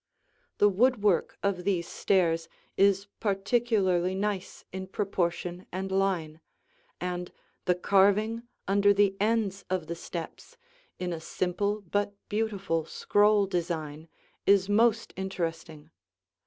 The woodwork of these stairs is particularly nice in proportion and line; and the carving under the ends of the steps, in a simple but beautiful scroll design, is most interesting.